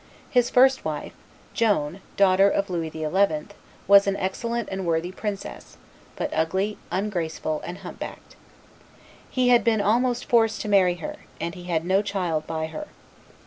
His first wife, Joan, daughter of Louis XI., was an excellent and worthy princess, but ugly, ungraceful, and hump backed. He had been almost forced to marry her, and he had no child by her.